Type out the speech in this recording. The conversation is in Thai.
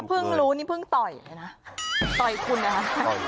ถ้าพึ่งรู้นี่พึ่งต่อยเลยนะ